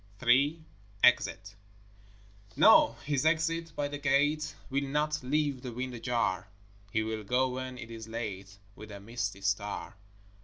III Exit No, his exit by the gate Will not leave the wind ajar; He will go when it is late With a misty star.